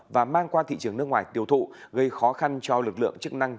và mang qua thị trường nước ngoài tiêu thụ gây khó khăn cho lực lượng chức năng